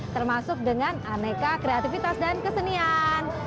termasuk dengan aneka kreativitas dan kesenian